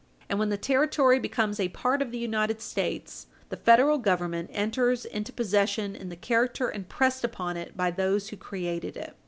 And when the Territory becomes a part of the United States, the Federal Government enters into possession in the character impressed upon it by those who created it.